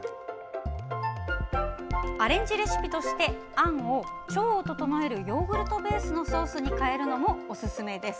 アレンジレシピとして、あんを腸を整えるヨーグルトベースのソースに変えるのもおすすめです。